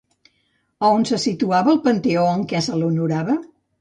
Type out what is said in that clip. A on se situava el panteó en què se l'honorava?